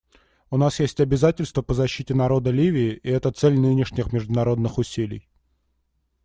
У нас есть обязательства по защите народа Ливии, и это цель нынешних международных усилий.